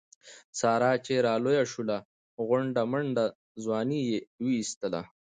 ساره چې را لویه شوله ښه غونډه منډه ځواني یې و ایستله.